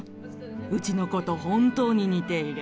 うちの子と本当に似ている。